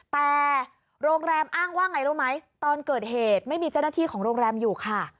แต่โรงแรมอ้างว่าไงรู้ไหมตอนเกิดเหตุไม่มีเจ้าหน้าที่ของโรงแรมอยู่ค่ะ